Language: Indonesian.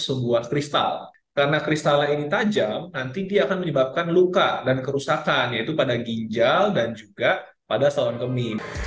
sebuah kristal karena kristalnya ini tajam nanti dia akan menyebabkan luka dan kerusakan yaitu pada ginjal dan juga pada salon kemi